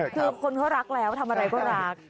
คือคนเขารักแล้วทำอะไรก็รัก